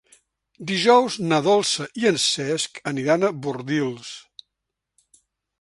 Dijous na Dolça i en Cesc aniran a Bordils.